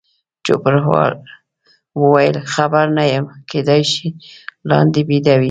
چوپړوال وویل: خبر نه یم، کېدای شي لاندې بیده وي.